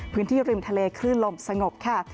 พื้นที่ริมทะเลคลื่นลมสงบค่ะ